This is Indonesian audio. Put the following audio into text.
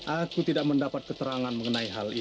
aku tidak mendapat keterangan mengenai hal ini